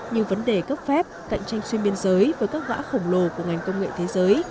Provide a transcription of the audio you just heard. như vấn đề cấp phép cạnh tranh xuyên biên giới với các gã khổng lồ của ngành công nghệ thế giới